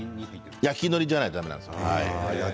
焼きのりじゃないとだめなんです。